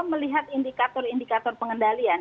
melihat indikator indikator pengendalian